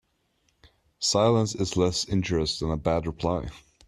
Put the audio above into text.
Silence is less injurious than a bad reply.